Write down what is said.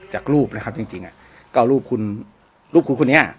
จากรูปนะครับจริงจริงอ่ะก็รูปคุณรูปคุณคนนี้อ่ะ